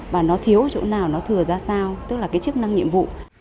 và nó thiếu ở chỗ nào nó thừa ra sao tức là cái chức năng nhiệm vụ